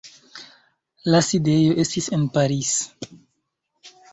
La sidejo estis en Paris.